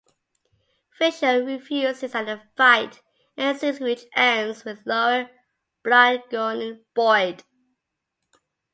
Fisher refuses and a fight ensues which ends with Laura bludgeoning Boyd.